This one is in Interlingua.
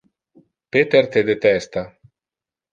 Peter te detesta.